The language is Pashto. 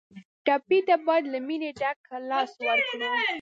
ټپي ته باید له مینې ډک لاس ورکړو.